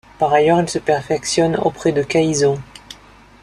Par ailleurs, il se perfectionne auprès de Kaïso.